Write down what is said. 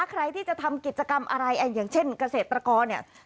ใครที่จะทำกิจกรรมอะไรอย่างเช่นเกษตรกรเนี่ย